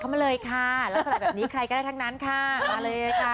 เขามาเลยค่ะแล้วสำหรับแบบนี้ใครก็ได้ทั้งนั้นค่ะมาเลยค่ะ